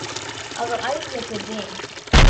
Our eyes met again.